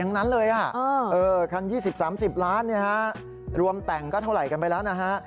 นั้นเลยคัน๒๐๓๐ล้านรวมแต่งก็เท่าไหร่กันไปแล้วนะฮะ